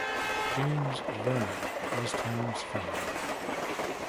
James Verner was town's founder.